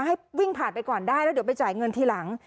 ให้วิ่งผ่านไปก่อนได้แล้วเดี๋ยวไปจ่ายเงินทีหลัง